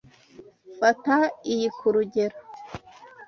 Fata iyi, kurugero.